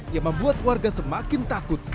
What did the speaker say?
yang membuat warga semakin takut